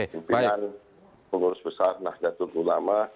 pimpinan pengurus besar nahdlatul ulama